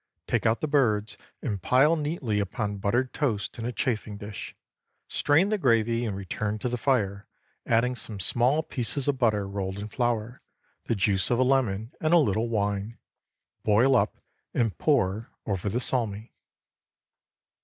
Take out the birds, and pile neatly upon buttered toast in a chafing dish. Strain the gravy and return to the fire, adding some small pieces of butter rolled in flour, the juice of a lemon and a little wine. Boil up, and pour over the salmi.